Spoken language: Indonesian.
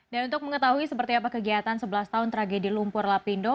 dan untuk mengetahui seperti apa kegiatan sebelas tahun tragedi lumpur lapindo